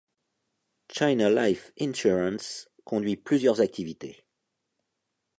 China Life Insurance conduit plusieurs activités.